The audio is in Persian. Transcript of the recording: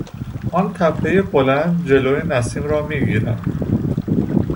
آن تپهی بلند جلو نسیم را میگیرد.